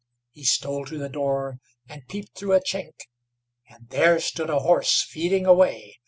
He stole to the door, and peeped through a chink, and there stood a horse feeding away.